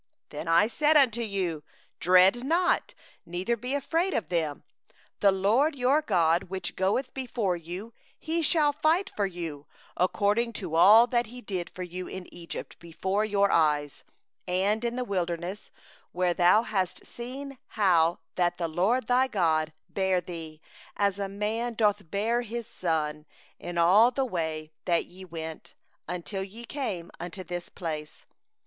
29Then I said unto you: 'Dread not, neither be afraid of them. 30The LORD your God who goeth before you, He shall fight for you, according to all that He did for you in Egypt before your eyes; 31and in the wilderness, where thou hast seen how that the LORD thy God bore thee, as a man doth bear his son, in all the way that ye went, until ye came unto this place.